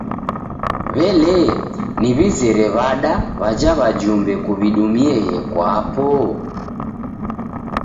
W'elee, niw'izere w'ada w'aja w'ajumbe kuw'idumieghe kwapo?